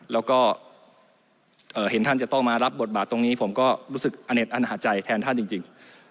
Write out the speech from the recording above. แล้วก็เห็นท่านจะต้องมารับบทบาทตรงนี้ผมก็รู้สึกอเน็ตอันหาใจแทนท่านจริง